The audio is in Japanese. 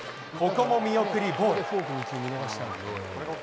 ここも見送りボール。